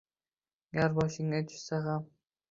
Gar boshingga tushsa gʼam